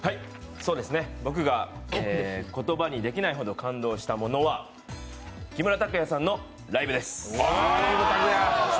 そうですね、僕が言葉にできないほど感動したものは木村拓哉さんのライブです。